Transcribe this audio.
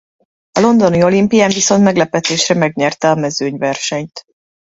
A londoni olimpián viszont meglepetésre megnyerte a mezőnyversenyt.